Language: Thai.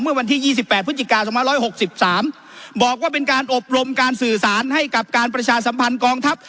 เมื่อวันที่๒๘พฤศจิกา๒๑๖๓บอกว่าเป็นการอบรมการสื่อสารให้กับการประชาสัมพันธ์กองทัพ